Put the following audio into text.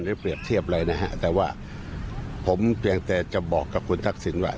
เปรียบเทียบอะไรนะฮะแต่ว่าผมเพียงแต่จะบอกกับคุณทักษิณว่า